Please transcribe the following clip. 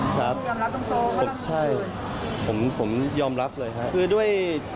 ครับใช่ผมยอมรับเลยครับคือด้วย